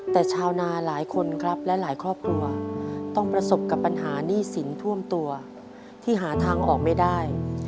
แต่ชาวนาหลายคนครับและหลายครอบครัวต้องประสบกับปัญหาหนี้สินท่วมตัวที่หาทางออกไม่ได้